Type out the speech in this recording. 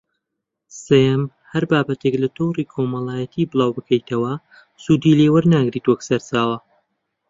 سێیەم: هەر بابەتێک لە تۆڕی کۆمەڵایەتی بڵاوبکەیتەوە، سوودی لێ وەرناگیرێت وەکو سەرچاوە